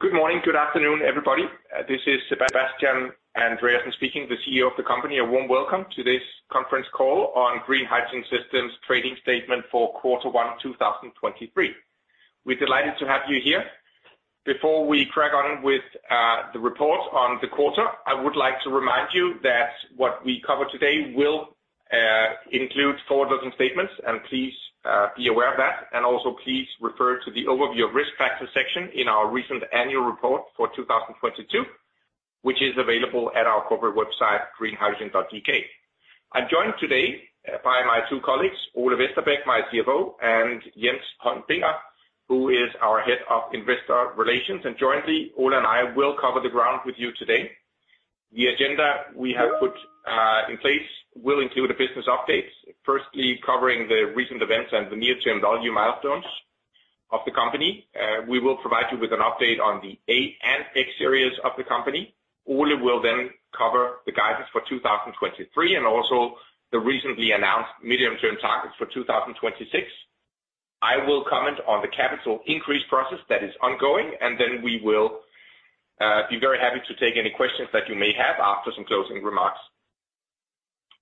Good morning, good afternoon, everybody. This is Sebastian Koks Andreassen speaking, the CEO of the company. A warm welcome to this conference call on Green Hydrogen Systems trading statement for Q1 2023. We're delighted to have you here. Before we crack on with the report on the quarter, I would like to remind you that what we cover today will include forward-looking statements, and please be aware of that. Also please refer to the overview of risk factors section in our recent annual report for 2022, which is available at our corporate website, greenhydrogen.dk. I'm joined today by my two colleagues, Ole Vesterbæk, my CFO, and Jens Holm Binger, who is our Head of Investor Relations. Jointly, Ole and I will cover the ground with you today. The agenda we have put in place will include a business update, firstly covering the recent events and the near-term value milestones of the company. We will provide you with an update on the A-Series and X-Series of the company. Ole will cover the guidance for 2023 and also the recently announced medium-term targets for 2026. I will comment on the capital increase process that is ongoing, we will be very happy to take any questions that you may have after some closing remarks.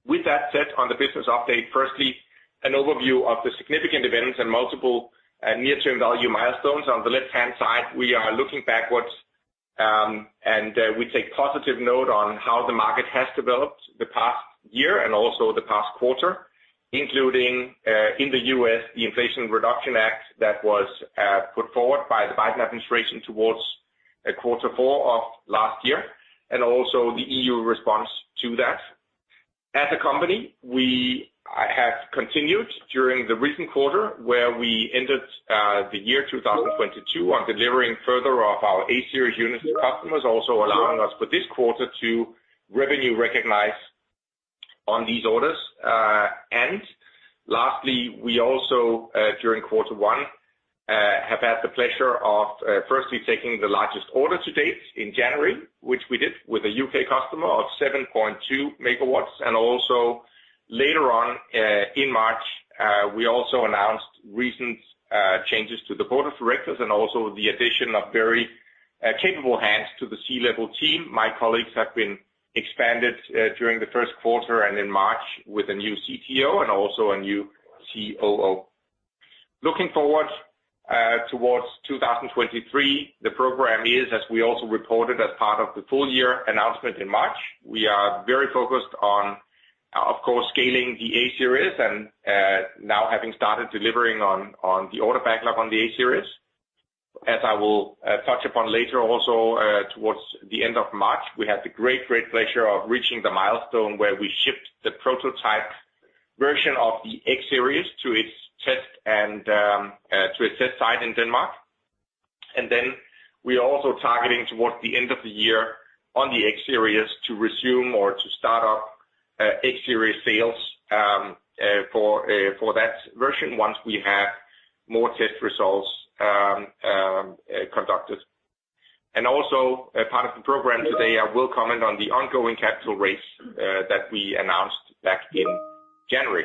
With that said, on the business update, firstly, an overview of the significant events and multiple near-term value milestones. On the left-hand side, we are looking backwards, and we take positive note on how the market has developed the past year and also the past quarter, including in the U.S., the Inflation Reduction Act that was put forward by the Biden administration towards quarter four of last year, and also the EU response to that. As a company, we have continued during the recent quarter, where we ended the year 2022 on delivering further of our A-Series units to customers, also allowing us for this quarter to revenue recognize on these orders. Lastly, we also during quarter one have had the pleasure of firstly taking the largest order to date in January, which we did with a U.K. customer of 7.2 megawatts. Also later on, in March, we also announced recent changes to the board of directors and also the addition of very capable hands to the C-level team. My colleagues have been expanded during the first quarter and in March with a new CTO and also a new COO. Looking forward, towards 2023, the program is, as we also reported as part of the full year announcement in March, we are very focused on, of course, scaling the A-Series and, now having started delivering on the order backlog on the A-Series. As I will touch upon later also, towards the end of March, we had the great pleasure of reaching the milestone where we shipped the prototype version of the X-Series to its test and, to its test site in Denmark. We are also targeting towards the end of the year on the X-Series to resume or to start up X-Series sales for that version once we have more test results conducted. Part of the program today, I will comment on the ongoing capital raise that we announced back in January.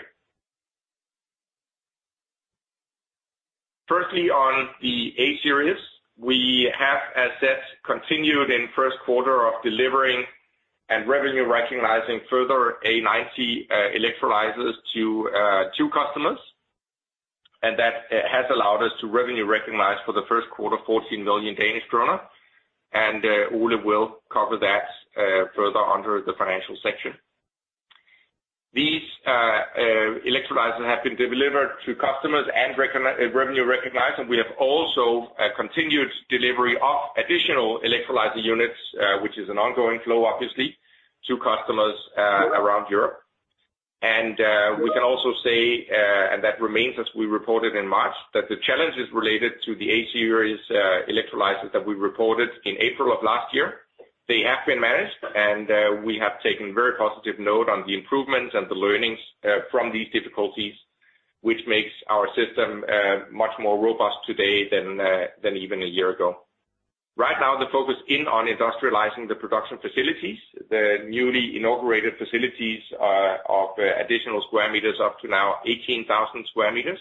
Firstly, on the A-Series, we have, as said, continued in first quarter of delivering and revenue recognizing further A90 electrolyzers to 2 customers. That has allowed us to revenue recognize for the first quarter 14 million Danish kroner, and Ole will cover that further under the financial section. These electrolyzers have been delivered to customers and revenue recognized, and we have also continued delivery of additional electrolyzer units, which is an ongoing flow, obviously, to customers around Europe. We can also say, and that remains as we reported in March, that the challenges related to the A-Series electrolyzers that we reported in April of last year, they have been managed and we have taken very positive note on the improvements and the learnings from these difficulties, which makes our system much more robust today than even a year ago. Right now, the focus in on industrializing the production facilities, the newly inaugurated facilities, of additional square meters up to now 18,000 square meters.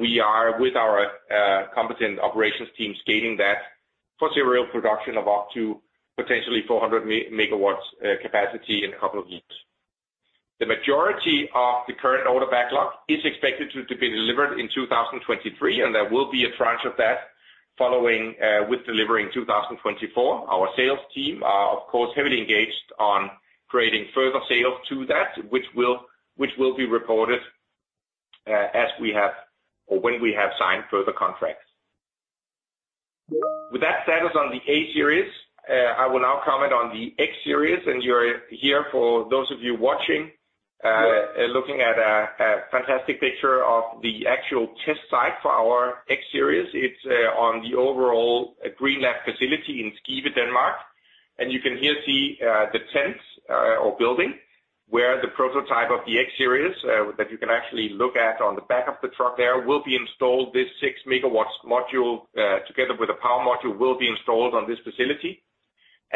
We are, with our competent operations team, scaling that for serial production of up to potentially 400 megawatts capacity in a couple of years. The majority of the current order backlog is expected to be delivered in 2023, and there will be a tranche of that following with delivery in 2024. Our sales team are, of course, heavily engaged on creating further sales to that which will be reported as we have or when we have signed further contracts. With that status on the A-Series, I will now comment on the X-Series. You're here, for those of you watching, looking at a fantastic picture of the actual test site for our X-Series. It's on the overall GreenLab facility in Skive, Denmark. You can here see the tents or building where the prototype of the X-Series that you can actually look at on the back of the truck there, will be installed. This 6 megawatts module, together with a power module, will be installed on this facility.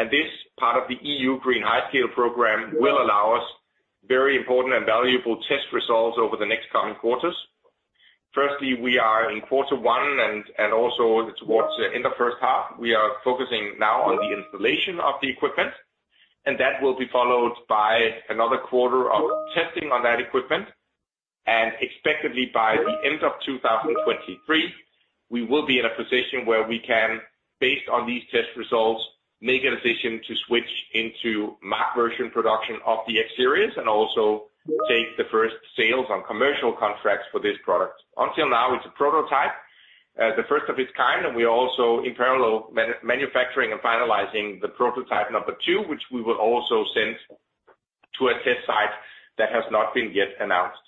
This part of the EU GreenHyScale program will allow us very important and valuable test results over the next coming quarters. Firstly, we are in quarter one and also towards in the first half, we are focusing now on the installation of the equipment, and that will be followed by another quarter of testing on that equipment. Expectedly, by the end of 2023, we will be in a position where we can, based on these test results, make a decision to switch into mass version production of the X-Series and also take the first sales on commercial contracts for this product. Until now, it's a prototype, the first of its kind, and we are also in parallel manufacturing and finalizing the prototype number two, which we will also send to a test site that has not been yet announced.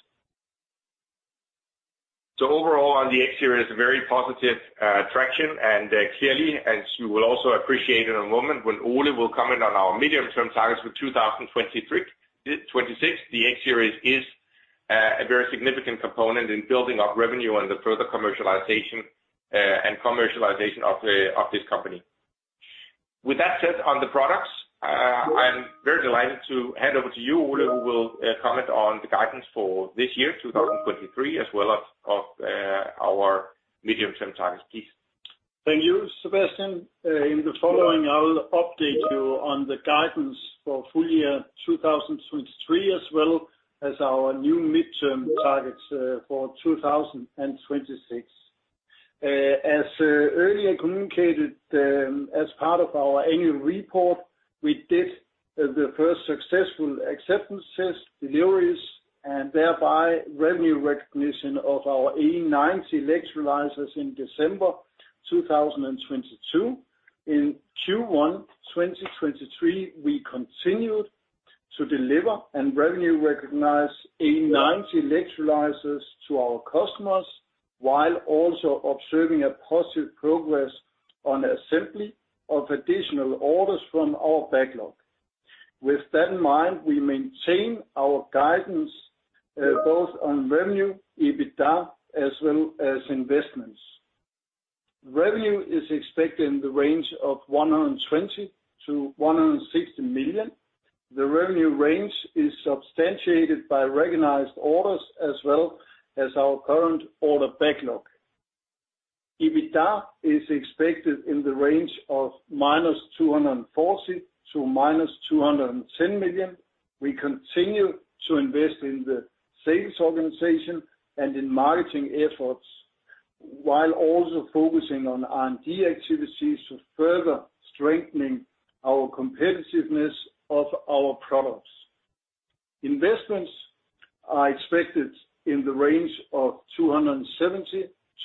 Overall on the X-Series, very positive traction and clearly, as you will also appreciate in a moment when Ole Vesterbæk will comment on our medium-term targets for 2023-26. The X-Series is a very significant component in building up revenue and the further commercialization and commercialization of this company. With that said on the products, I'm very delighted to hand over to you, Ole, who will comment on the guidance for this year, 2023, as well as, of, our medium-term targets. Please. Thank you, Sebastian. In the following, I will update you on the guidance for full year 2023, as well as our new midterm targets for 2026. As earlier communicated, as part of our annual report, we did the first successful acceptance test deliveries and thereby revenue recognition of our A90 electrolyzers in December 2022. In Q1 2023, we continued to deliver and revenue recognize A90 electrolyzers to our customers, while also observing a positive progress on assembly of additional orders from our backlog. With that in mind, we maintain our guidance both on revenue, EBITDA, as well as investments. Revenue is expected in the range of 120 million-160 million. The revenue range is substantiated by recognized orders as well as our current order backlog. EBITDA is expected in the range of minus 240 million-minus 210 million. We continue to invest in the sales organization and in marketing efforts, while also focusing on R&D activities to further strengthening our competitiveness of our products. Investments are expected in the range of 270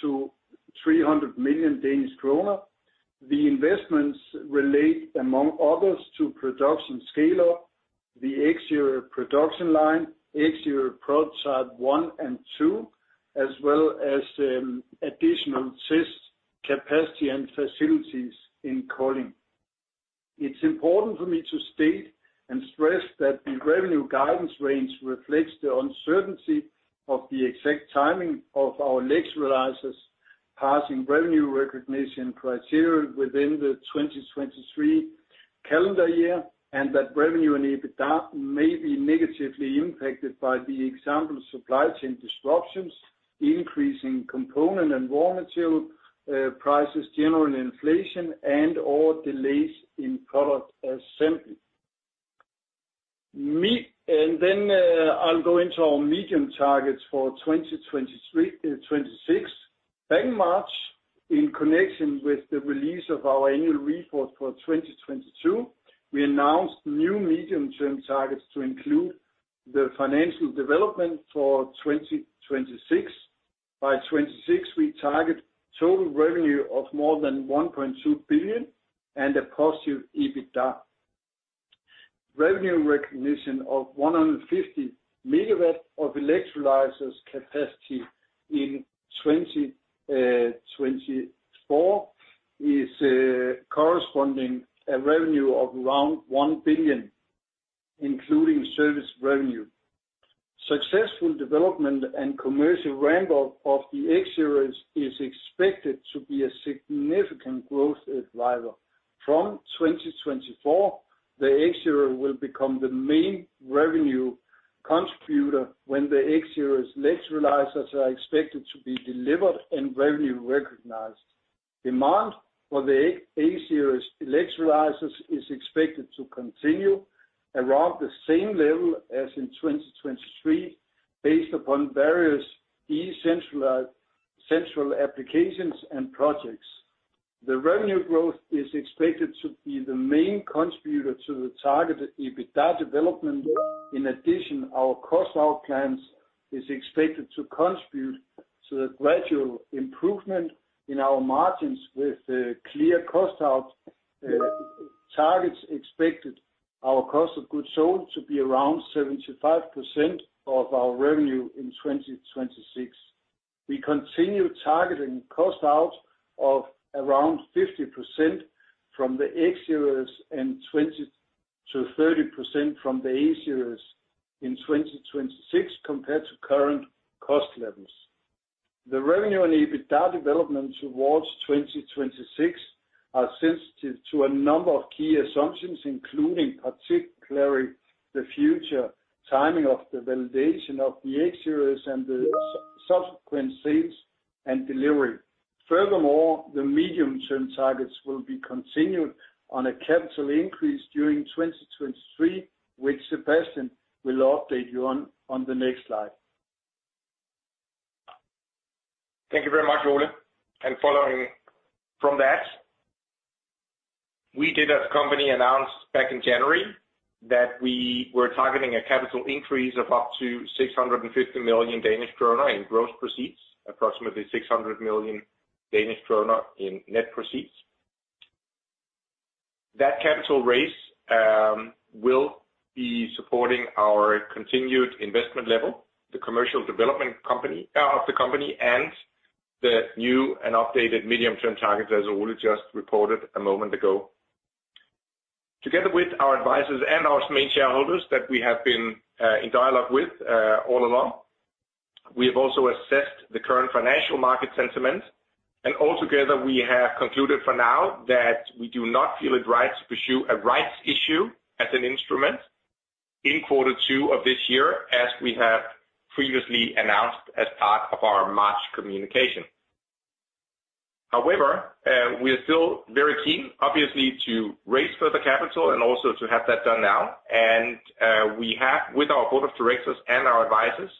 million-300 million Danish kroner. The investments relate, among others, to production scale-up, the X-Series production line, X-Series prototype 1 and 2, as well as, additional test capacity and facilities in Kolding. It's important for me to state and stress that the revenue guidance range reflects the uncertainty of the exact timing of our electrolyzers passing revenue recognition criteria within the 2023 calendar year, and that revenue and EBITDA may be negatively impacted by the example supply chain disruptions, increasing component and raw material prices, general inflation, and/or delays in product assembly. Then I'll go into our medium targets for 2023-2026. Back in March, in connection with the release of our annual report for 2022, we announced new medium-term targets to include the financial development for 2026. By 2026, we target total revenue of more than 1.2 billion and a positive EBITDA. Revenue recognition of 150 megawatt of electrolyzers capacity in 2024 is corresponding a revenue of around 1 billion, including service revenue. Successful development and commercial ramp-up of the X-Series is expected to be a significant growth driver. From 2024, the X-Series will become the main revenue contributor when the X-Series electrolyzers are expected to be delivered and revenue recognized. Demand for the A-Series electrolyzers is expected to continue around the same level as in 2023, based upon various decentralized central applications and projects. The revenue growth is expected to be the main contributor to the targeted EBITDA development. In addition, our cost out plans is expected to contribute to the gradual improvement in our margins with clear cost out targets expected our cost of goods sold to be around 75% of our revenue in 2026. We continue targeting cost out of around 50% from the X-Series and 20%-30% from the A-Series in 2026 compared to current cost levels. The revenue and EBITDA development towards 2026 are sensitive to a number of key assumptions, including particularly the future timing of the validation of the X-Series and the subsequent sales and delivery. The medium-term targets will be continued on a capital increase during 2023, which Sebastian will update you on the next slide. Thank you very much, Ole. Following from that, we did, as the company announced back in January, that we were targeting a capital increase of up to 650 million Danish krone in gross proceeds, approximately 600 million Danish krone in net proceeds. That capital raise will be supporting our continued investment level, the commercial development of the company, and the new and updated medium-term targets, as Ole just reported a moment ago. Together with our advisors and our main shareholders that we have been in dialogue with all along, we have also assessed the current financial market sentiment. Altogether, we have concluded for now that we do not feel it right to pursue a rights issue as an instrument in quarter two of this year, as we have previously announced as part of our March communication. However, we are still very keen, obviously, to raise further capital and also to have that done now. We have, with our board of directors and our advisors,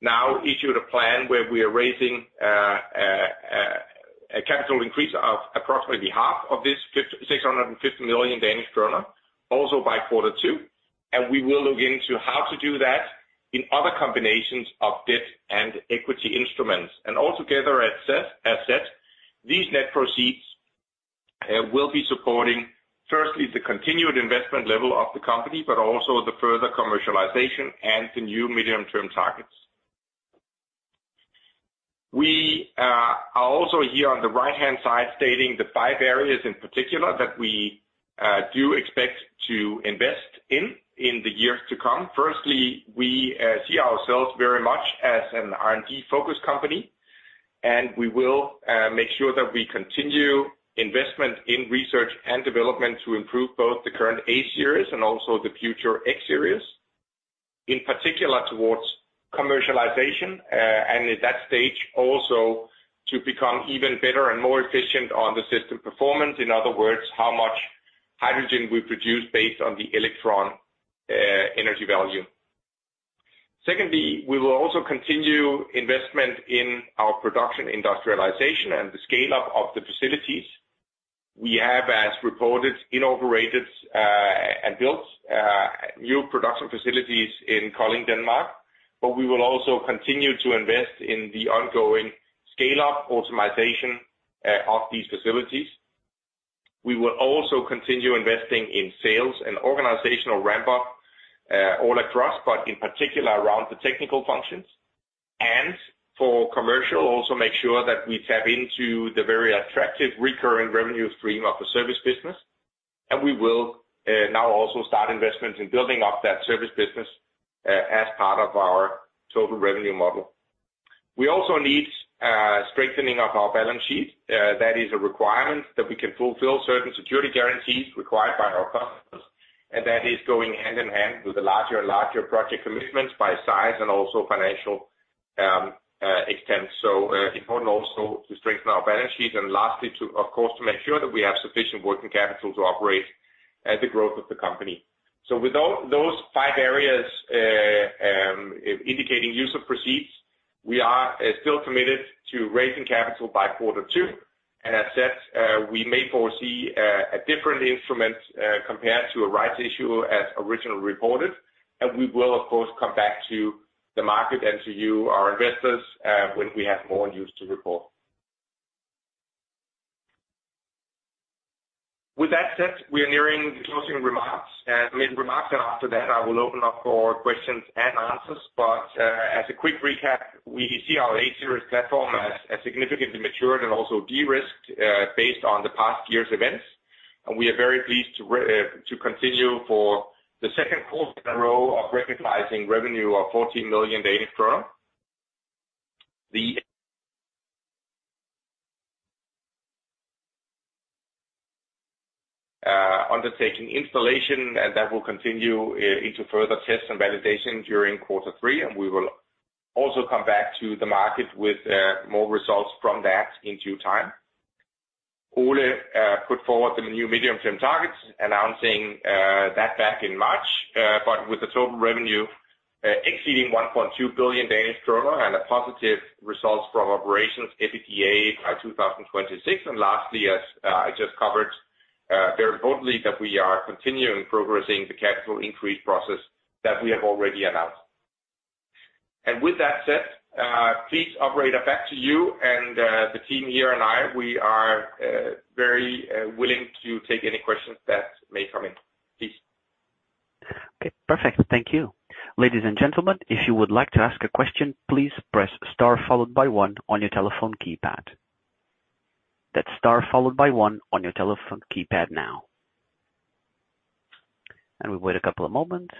now issued a plan where we are raising a capital increase of approximately half of this 650 million Danish kroner, also by Q2. We will look into how to do that in other combinations of debt and equity instruments. Altogether, as said, these net proceeds will be supporting, firstly, the continued investment level of the company, but also the further commercialization and the new medium-term targets. We are also here on the right-hand side stating the five areas in particular that we do expect to invest in the years to come. Firstly, we see ourselves very much as an R&D-focused company, and we will make sure that we continue investment in research and development to improve both the current A-Series and also the future X-Series, in particular towards commercialization, and at that stage also to become even better and more efficient on the system performance. In other words, how much hydrogen we produce based on the electron energy value. Secondly, we will also continue investment in our production industrialization and the scale-up of the facilities. We have, as reported, inaugurated and built new production facilities in Kolding, Denmark, but we will also continue to invest in the ongoing scale-up optimization of these facilities. We will also continue investing in sales and organizational ramp-up all across, but in particular around the technical functions. For commercial, also make sure that we tap into the very attractive recurring revenue stream of the service business. We will now also start investments in building up that service business as part of our total revenue model. We also need strengthening of our balance sheet. That is a requirement that we can fulfill certain security guarantees required by our customers, and that is going hand in hand with the larger and larger project commitments by size and also financial extent. Important also to strengthen our balance sheet. Lastly, to, of course, to make sure that we have sufficient working capital to operate at the growth of the company. With all those five areas indicating use of proceeds, we are still committed to raising capital by quarter two. As said, we may foresee a different instrument compared to a rights issue as originally reported, and we will of course come back to the market and to you, our investors, when we have more news to report. With that said, we are nearing the closing remarks, I mean, remarks, and after that, I will open up for questions and answers. As a quick recap, we see our A-Series platform as significantly matured and also de-risked, based on the past year's events. We are very pleased to continue for the second quarter in a row of recognizing revenue of 14 million. The... undertaking installation, and that will continue into further tests and validation during quarter three. We will also come back to the market with more results from that in due time. Ole put forward the new medium-term targets, announcing that back in March, with the total revenue exceeding 1.2 billion Danish kroner and a positive results from operations EBITDA by 2026. Lastly, as I just covered, very importantly that we are continuing progressing the capital increase process that we have already announced. With that said, please operator, back to you and the team here and I, we are very willing to take any questions that may come in. Please. Okay, perfect. Thank you. Ladies and gentlemen, if you would like to ask a question, please press star followed by one on your telephone keypad. That's star followed by one on your telephone keypad now. We wait a couple of moments.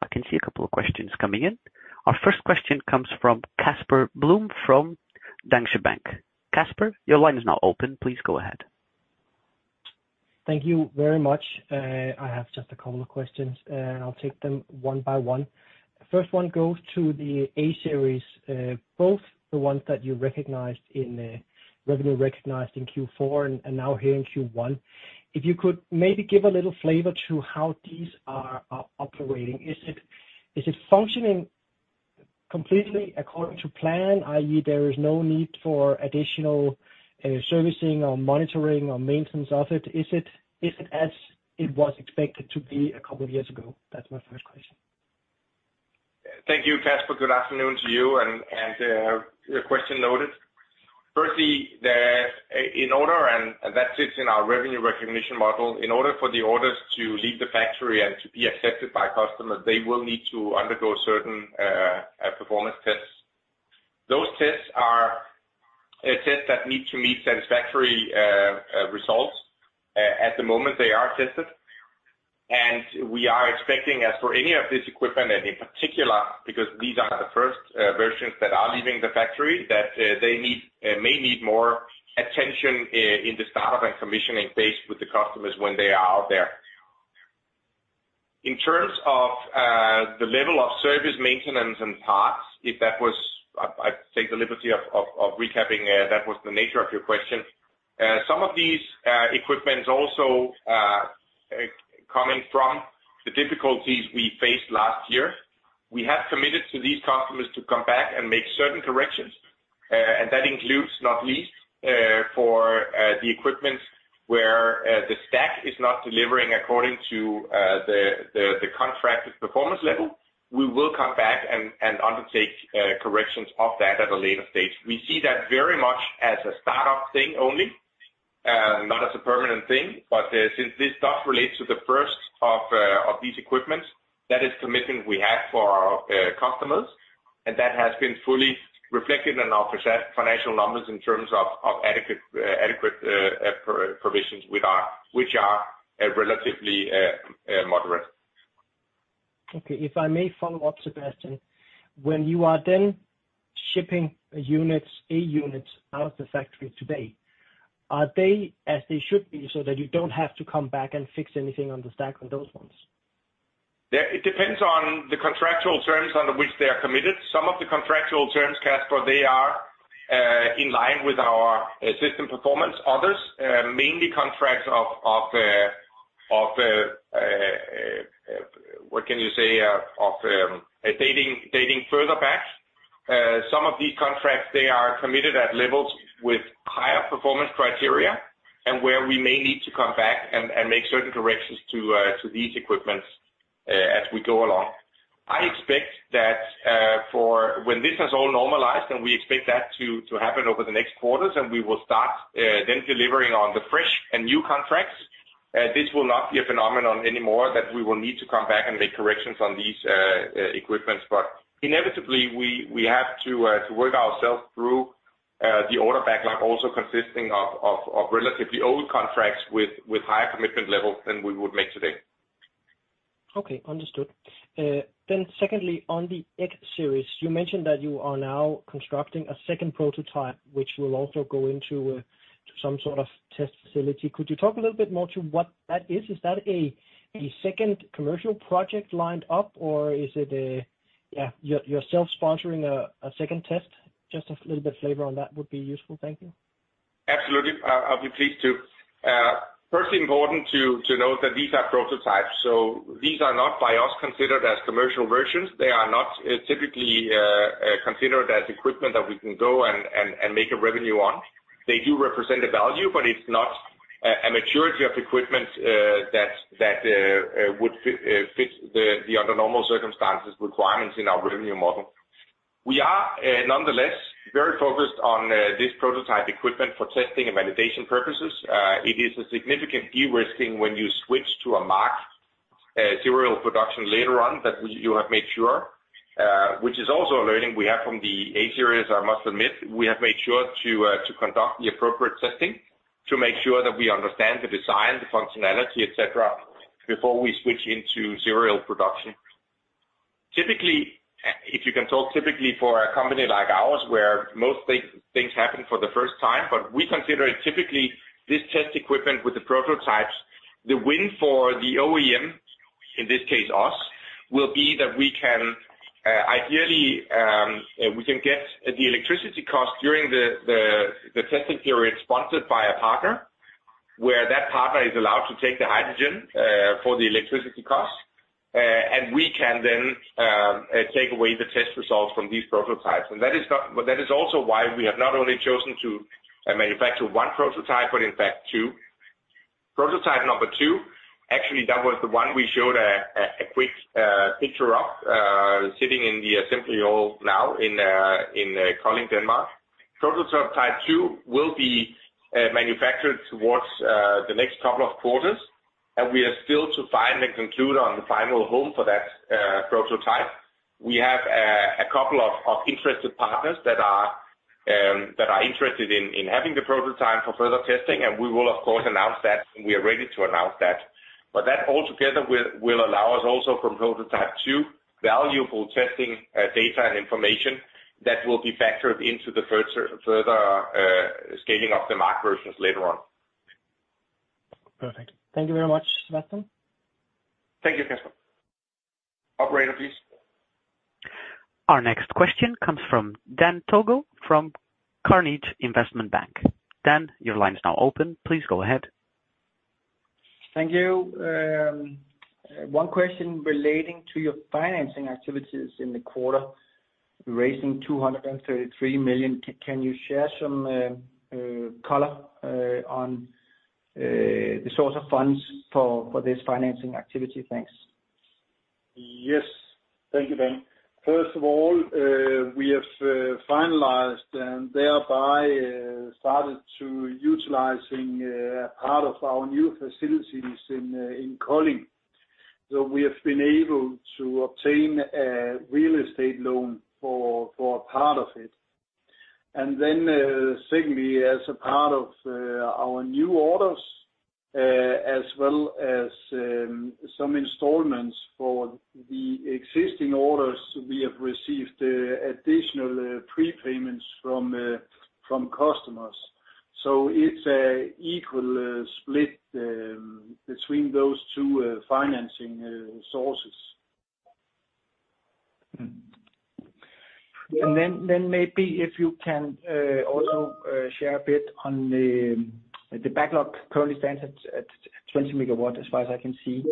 I can see a couple of questions coming in. Our first question comes from Casper Blom from Danske Bank. Casper, your line is now open. Please go ahead. Thank you very much. I have just a couple of questions, and I'll take them one by one. First one goes to the A-Series, both the ones that you recognized in the revenue recognized in Q4 and now here in Q1. If you could maybe give a little flavor to how these are operating. Is it functioning completely according to plan, i.e., there is no need for additional servicing or monitoring or maintenance of it? Is it as it was expected to be a couple of years ago? That's my first question. Thank you, Kasper. Good afternoon to you and, your question noted. Firstly, in order, and that sits in our revenue recognition model, in order for the orders to leave the factory and to be accepted by customers, they will need to undergo certain performance tests. Those tests are tests that need to meet satisfactory results. At the moment, they are tested. We are expecting, as for any of this equipment, and in particular because these are the first versions that are leaving the factory, that they need may need more attention in the startup and commissioning phase with the customers when they are out there. In terms of the level of service, maintenance, and parts, if that was, I take the liberty of recapping, that was the nature of your question? Some of these equipments also coming from the difficulties we faced last year. We have committed to these customers to come back and make certain corrections, and that includes, not least, for the equipment where the stack is not delivering according to the contracted performance level. We will come back and undertake corrections of that at a later stage. We see that very much as a startup thing only, not as a permanent thing. Since this does relate to the first of these equipments, that is commitment we have for our customers. That has been fully reflected in our financial numbers in terms of adequate provisions which are relatively moderate. Okay, if I may follow up, Sebastian. When you are then shipping units, A units out of the factory today, are they as they should be so that you don't have to come back and fix anything on the stack on those ones? Yeah. It depends on the contractual terms under which they are committed. Some of the contractual terms, Kasper, they are in line with our system performance. Others, mainly contracts of, what can you say, of, dating further back. Some of these contracts, they are committed at levels with higher performance criteria and where we may need to come back and make certain corrections to these equipments, as we go along. I expect that, for when this is all normalized, and we expect that to happen over the next quarters, and we will start then delivering on the fresh and new contracts, this will not be a phenomenon anymore that we will need to come back and make corrections on these equipments. inevitably, we have to to work ourselves through the order backlog also consisting of relatively old contracts with higher commitment levels than we would make today. Okay. Understood. Secondly, on the X-Series, you mentioned that you are now constructing a second prototype, which will also go into to some sort of test facility. Could you talk a little bit more to what that is? Is that a second commercial project lined up, or is it a, yeah, you're self-sponsoring a second test? Just a little bit of flavor on that would be useful. Thank you. Absolutely. I'll be pleased to. Firstly important to note that these are prototypes, so these are not by us considered as commercial versions. They are not typically considered as equipment that we can go and make a revenue on. They do represent a value, but it's not a maturity of equipment that would fit the under normal circumstances requirements in our revenue model. We are nonetheless very focused on this prototype equipment for testing and validation purposes. It is a significant de-risking when you switch to a marked serial production later on that you have made sure, which is also a learning we have from the A-Series, I must admit. We have made sure to conduct the appropriate testing to make sure that we understand the design, the functionality, et cetera, before we switch into serial production. Typically, if you can talk typically for a company like ours, where most things happen for the first time, but we consider it typically this test equipment with the prototypes, the win for the OEM, in this case us, will be that we can, ideally, we can get the electricity cost during the testing period sponsored by a partner, where that partner is allowed to take the hydrogen for the electricity cost. We can then take away the test results from these prototypes. That is also why we have not only chosen to manufacture one prototype, but in fact two. Prototype number 2, actually, that was the one we showed a quick picture of sitting in the assembly hall now in Kolding, Denmark. Prototype type 2 will be manufactured towards the next couple of quarters. We are still to find and conclude on the final home for that prototype. We have a couple of interested partners that are interested in having the prototype for further testing. We will of course announce that when we are ready to announce that. That altogether will allow us also from prototype 2 valuable testing data and information that will be factored into the further scaling of the market versions later on. Perfect. Thank you very much, Sebastian. Thank you, Casper. Operator, please. Our next question comes from Dan Togo from Carnegie Investment Bank. Dan, your line is now open. Please go ahead. Thank you. One question relating to your financing activities in the quarter, raising 233 million. Can you share some color on the source of funds for this financing activity? Thanks. Yes. Thank you, Dan. First of all, we have finalized and thereby started to utilizing part of our new facilities in Kolding. We have been able to obtain a real estate loan for part of it. Secondly, as a part of our new orders, as well as some installments for the existing orders, we have received additional prepayments from customers. It's equal split between those two financing sources. Maybe if you can also share a bit on the backlog currently stands at 20 megawatt, as far as I can see.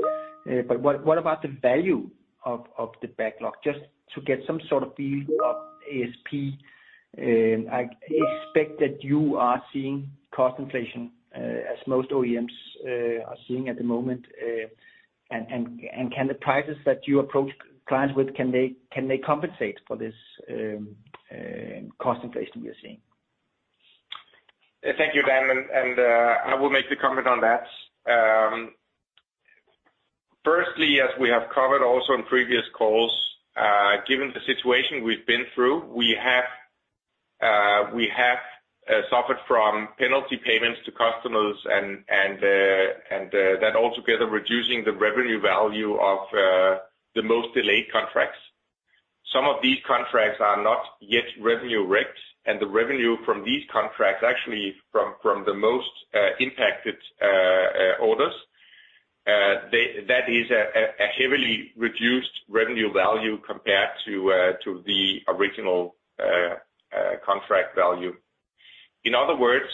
What about the value of the backlog? Just to get some sort of feel of ASP. I expect that you are seeing cost inflation as most OEMs are seeing at the moment. Can the prices that you approach clients with, can they compensate for this cost inflation you're seeing? Thank you, Dan. I will make the comment on that. Firstly, as we have covered also in previous calls, given the situation we've been through, we have suffered from penalty payments to customers and that altogether reducing the revenue value of the most delayed contracts. Some of these contracts are not yet revenue rec'd, and the revenue from these contracts, actually from the most impacted orders, that is a heavily reduced revenue value compared to the original contract value. In other words,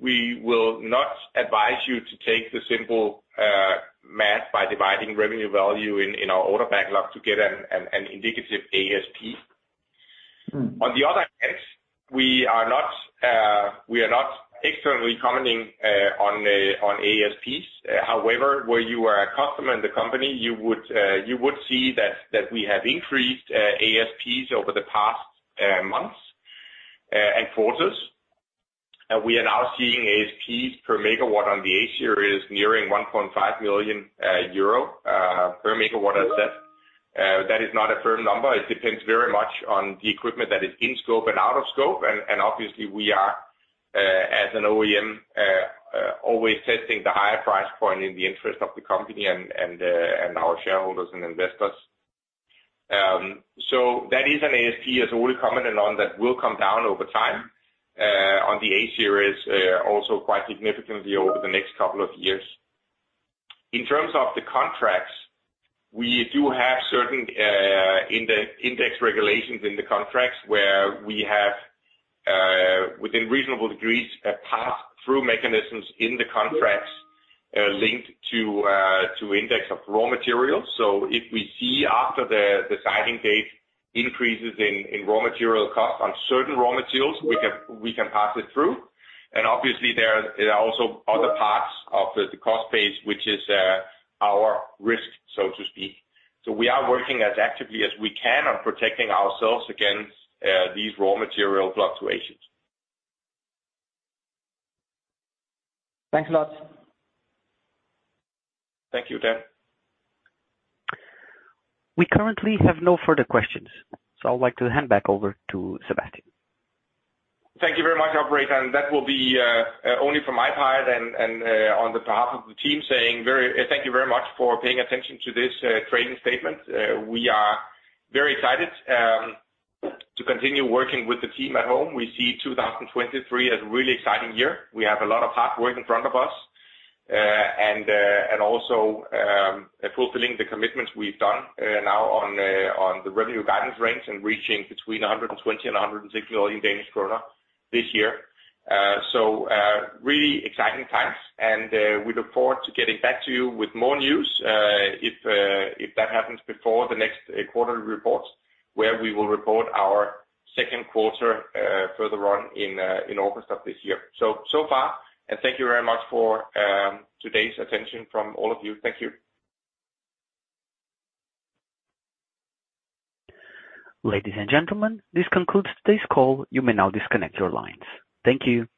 we will not advise you to take the simple math by dividing revenue value in our order backlog to get an indicative ASP. Mm. On the other hand, we are not, we are not externally commenting on ASPs. However, were you are a customer in the company, you would, you would see that we have increased ASPs over the past months and quarters. We are now seeing ASPs per megawatt on the A-Series nearing 1.5 million euro per megawatt asset. That is not a firm number. It depends very much on the equipment that is in scope and out of scope. Obviously we are, as an OEM, always testing the higher price point in the interest of the company and our shareholders and investors. That is an ASP as we commented on that will come down over time, on the A-Series, also quite significantly over the next couple of years. In terms of the contracts, we do have certain index regulations in the contracts where we have within reasonable degrees pass-through mechanisms in the contracts linked to index of raw materials. If we see after the signing date increases in raw material costs on certain raw materials, we can pass it through. Obviously, there are also other parts of the cost base, which is our risk, so to speak. We are working as actively as we can on protecting ourselves against these raw material fluctuations. Thanks a lot. Thank you, Dan. We currently have no further questions, I'd like to hand back over to Sebastian. Thank you very much, operator. That will be only from my part and on the behalf of the team saying Thank you very much for paying attention to this trading statement. We are very excited to continue working with the team at home. We see 2023 as a really exciting year. We have a lot of hard work in front of us, and also fulfilling the commitments we've done now on the revenue guidance range and reaching between 120 million Danish krone and DKK 160 million this year. Really exciting times, and we look forward to getting back to you with more news, if that happens before the next quarterly report, where we will report our second quarter, further on in August of this year. So far, and thank you very much for today's attention from all of you. Thank you. Ladies and gentlemen, this concludes today's call. You may now disconnect your lines. Thank you.